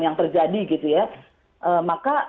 yang terjadi gitu ya maka